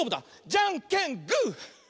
じゃんけんグー！